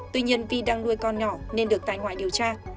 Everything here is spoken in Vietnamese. tuy nhiên vi đang nuôi con nhỏ nên được tại ngoại điều tra